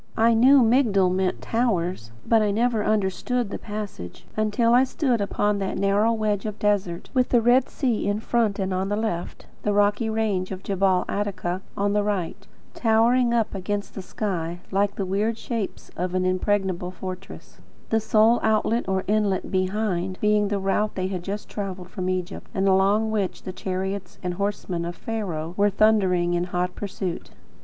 I knew Migdol meant "towers," but I never understood the passage, until I stood upon that narrow wedge of desert, with the Red Sea in front and on the left; the rocky range of Gebel Attaka on the right, towering up against the sky, like the weird shapes of an impregnable fortress; the sole outlet or inlet behind, being the route they had just travelled from Egypt, and along which the chariots and horsemen of Pharaoh were then thundering in hot pursuit.